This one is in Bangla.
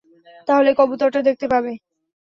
তাহলে কবুতরটা দেখতে পাবে।